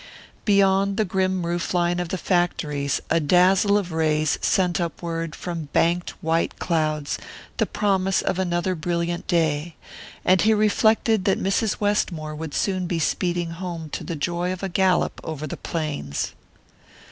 Beyond the grim roof line of the factories a dazzle of rays sent upward from banked white clouds the promise of another brilliant day; and he reflected that Mrs. Westmore would soon be speeding home to the joy of a gallop over the plains.